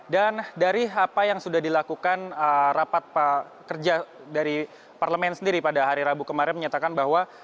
dan dari apa yang sudah dilakukan rapat kerja dari parlemen sendiri pada hari rabu kemarin menyatakan bahwa